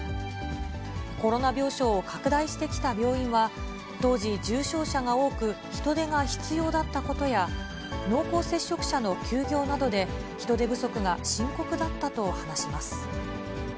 コロナ病床を拡大してきた病院は当時、重症者が多く人手が必要だったことや、濃厚接触者の休業などで、人手不足が深刻だったと話します。